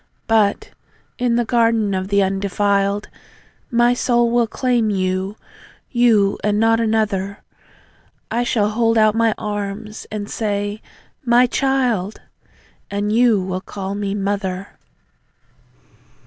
But, in the Garden of the Undefiled, My soul will claim you ... you, and not another; I shall hold out my arms, and say "MY CHILD!" And you will call me "MOTHER!"